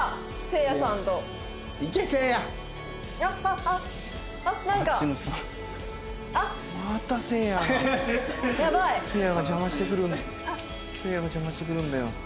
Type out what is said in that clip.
晴也が邪魔してくるんだよ。